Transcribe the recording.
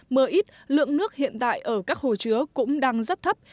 mưa ít lượng nước hiện tại ở các hồ chứa cũng đang rất thấp